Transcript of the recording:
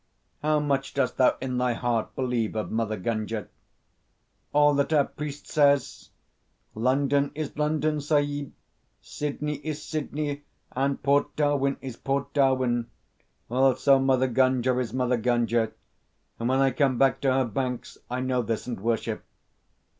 How much dost thou in thy heart believe of Mother Gunga?" "All that our priest says. London is London, Sahib. Sydney is Sydney, and Port Darwin is Port Darwin. Also Mother Gunga is Mother Gunga, and when I come back to her banks I know this and worship.